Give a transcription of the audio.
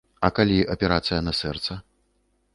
А калі аперацыя на сэрца?